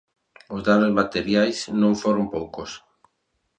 Os danos materiais non foron poucos.